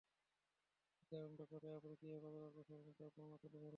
শিক্ষা এবং দক্ষতায় আপনি কীভাবে কতটা অগ্রসর হয়েছেন, তার বর্ণনা তুলে ধরুন।